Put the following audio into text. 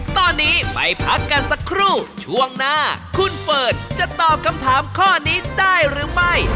ตอนนี้ไปพักกันสักครู่ช่วงหน้าคุณเฟิร์นจะตอบคำถามข้อนี้ได้หรือไม่